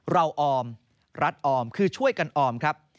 ออมรัฐออมคือช่วยกันออมครับ